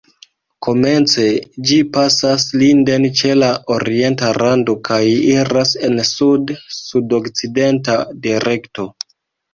Komence ĝi pasas Linden ĉe la orienta rando kaj iras en sud-sudokcidenta direkto.